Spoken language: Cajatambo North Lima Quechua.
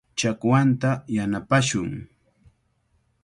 Chakwanta yanapashun.